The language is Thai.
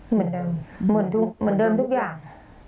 เหมือนเดิมเหมือนเดิมทุกอย่าง